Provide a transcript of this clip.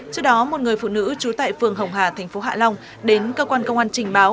trước đó một người phụ nữ trú tại phường hồng hà thành phố hạ long đến cơ quan công an trình báo